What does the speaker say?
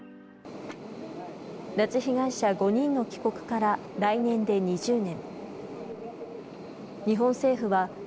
拉致被害者５人の帰国から、来年で２０年。